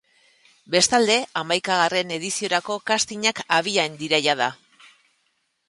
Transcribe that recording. Bestalde, hamaikagarren ediziorako castingak abian dira jada.